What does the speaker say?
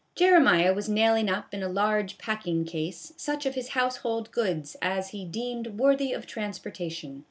Jere miah was nailing up in a large packing case such of his household goods as he deemed worthy of transportation.